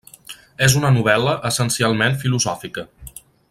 És una novel·la essencialment filosòfica.